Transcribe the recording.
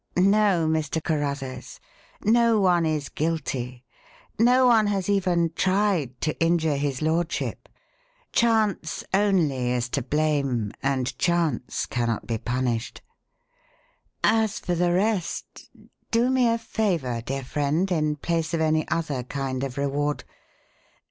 No, Mr. Carruthers no one is guilty; no one has even tried to injure his lordship. Chance only is to blame and Chance cannot be punished. As for the rest, do me a favour, dear friend, in place of any other kind of reward.